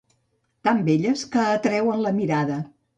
Tan belles que atreuen la mirada.